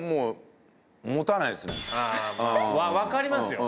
分かりますよ。